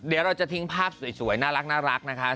เดี๋ยวเราจะทิ้งภาพสวยน่ารักนะคะ